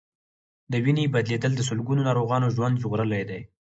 د وینې بدلېدل د سلګونو ناروغانو ژوند ژغورلی دی.